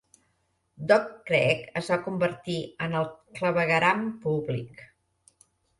Dock Creek es va convertir en el clavegueram públic.